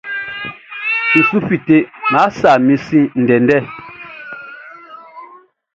N su fite, Nʼma sa min sin ndɛndɛ.